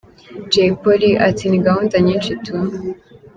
Jay Polly ati: “Ni gahunda nyinshi tu.